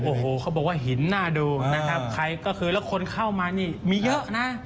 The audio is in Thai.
โอ้โหเขาบอกว่าหินน่าดูนะครับใครก็คือแล้วคนเข้ามานี่มีเยอะนะ